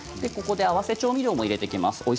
ここで合わせ調味料も入れていきます。